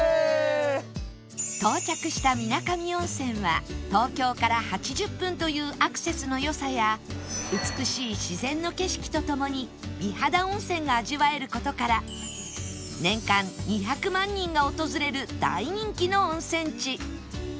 到着した水上温泉は東京から８０分というアクセスの良さや美しい自然の景色とともに美肌温泉が味わえる事から年間２００万人が訪れる大人気の温泉地